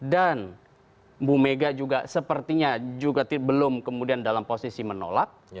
dan bu mega juga sepertinya juga belum kemudian dalam posisi menolak